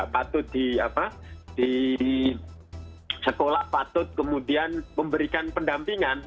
patut di sekolah patut kemudian memberikan pendampingan